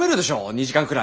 ２時間くらい。